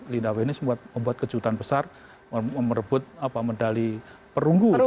linda wenis membuat kejutan besar merebut medali perunggu